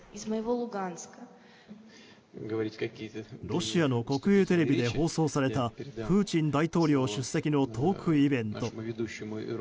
ロシアの国営テレビで放送されたプーチン大統領出席のトークイベント。